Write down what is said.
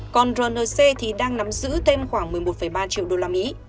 còn rnc thì đang nắm giữ thêm khoảng một mươi một ba triệu usd